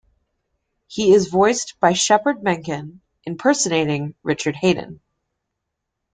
He is voiced by Shepard Menken impersonating Richard Haydn.